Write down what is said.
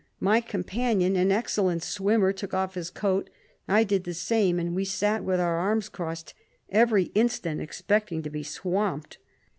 My companion, an excellent swimmer, took off his coat, I did the same, and we sat with our arms crossed, every instant expecting to be swamped.